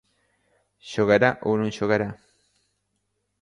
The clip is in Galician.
Xogará ou non xogará?